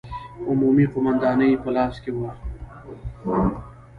عمومي قومانداني په لاس کې وه.